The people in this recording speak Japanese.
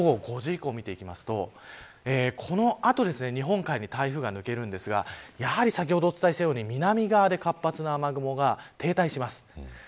午後５時以降見ていくとこの後、日本海に台風が抜けるんですがやはり先ほどお伝えしたように南側で活発な雨雲が停滞します。